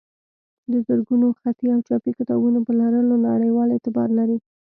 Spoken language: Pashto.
د زرګونو خطي او چاپي کتابونو په لرلو نړیوال اعتبار لري.